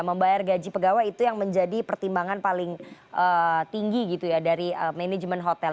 membayar gaji pegawai itu yang menjadi pertimbangan paling tinggi gitu ya dari manajemen hotel